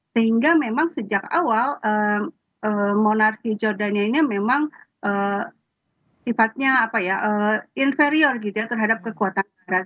sehingga memang sejak awal monarki jordania ini memang sifatnya inferior gitu ya terhadap kekuatan berat